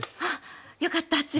あっよかった。